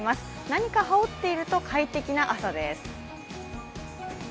何か羽織っていると快適な朝です。